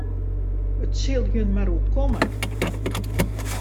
It sil jin mar oerkomme.